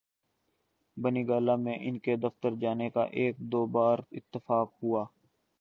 بنی گالہ میں ان کے دفتر جانے کا ایک دو بار اتفاق ہوا۔